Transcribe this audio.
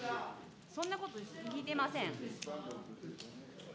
そんなこと聞いてません。